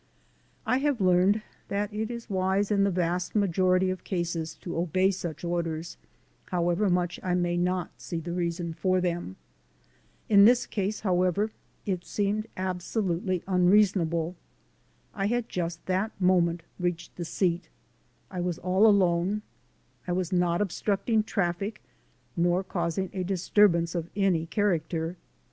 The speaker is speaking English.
I have learned that it is wise in the vast majority of cases to obey such orders, however much I may not see the reason for them. In this case, however, it seemed absolutely unreason able. I had just that moment reached the seat; I was all alone; I was not obstructing traffic nor causing a disturbance of any character.